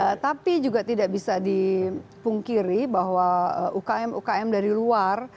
ya tapi juga tidak bisa dipungkiri bahwa ukm ukm dari luar